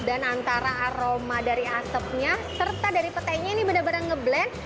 dan antara aroma dari asapnya serta dari petainya ini benar benar ngeblend